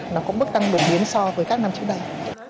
nó cũng bức tăng đột nhiên so với các năm trước đây